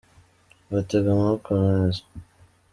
batega amaboko neza.